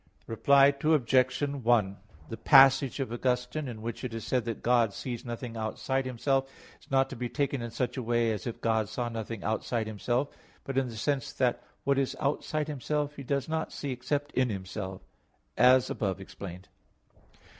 Reply Obj. 1: The passage of Augustine in which it is said that God "sees nothing outside Himself" is not to be taken in such a way, as if God saw nothing outside Himself, but in the sense that what is outside Himself He does not see except in Himself, as above explained.